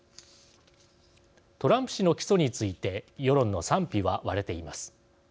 トランプ氏の起訴について世論の賛否は割れています。